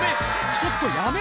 ちょっとやめてよ！